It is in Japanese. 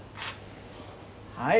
はい。